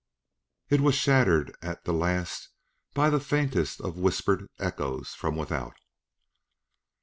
It was shattered at the last by the faintest of whispered echoes from without.